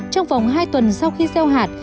trong vòng hai tuần sau khi rau hạt